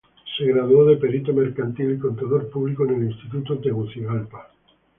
Se graduó de Perito Mercantil y Contador Público en el Instituto Tegucigalpa.